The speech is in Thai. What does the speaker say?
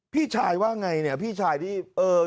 พี่ชายว่าไงเนี่ยพี่ชายที่เออ